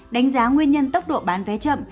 đánh giá nguyên nhân tốc độ bán vé chậm